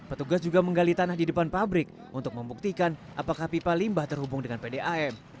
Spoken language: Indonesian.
petugas juga menggali tanah di depan pabrik untuk membuktikan apakah pipa limbah terhubung dengan pdam